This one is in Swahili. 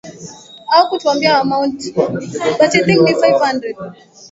pia unaweza tumia maji yaliyochemshwa